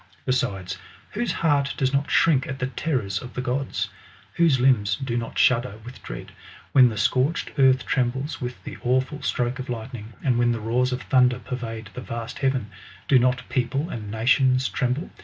Besides, whose heart does not shrink at the terrors of the gods ? Whose limbs do not shudder with dread, when the scorched earth trembles with the awful stroke of lightning, and when the roars of thunder pervade the vast heaven ? Dq not people and nations tremble